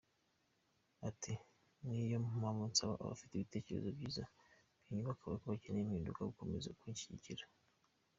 Ati’’Niyo mpamvu nsaba abafite ibitekerezo byiza byubaka n’abakeneye impinduka gukomeza kunshyigikira.